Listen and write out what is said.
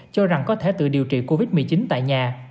cho rằng có thể tự điều trị covid một mươi chín tại nhà